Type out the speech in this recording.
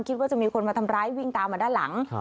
คิดว่าจะมีคนมาทำร้ายวิ่งตามมาด้านหลัง